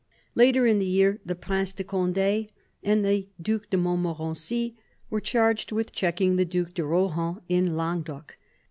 Later in the year, the Prince de Conde and the Due de Montmorency were charged with checking the Due de Rohan in Languedoc.